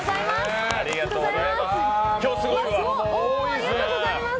ありがとうございます。